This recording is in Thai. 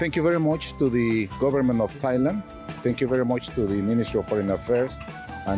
กระทรวงโลกคิดเริ่มไปได้